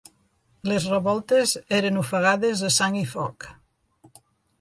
Les revoltes eren ofegades a sang i foc.